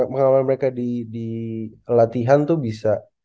pengalaman mereka di latihan tuh bisa